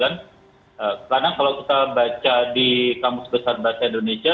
karena kalau kita baca di kamus besar bahasa indonesia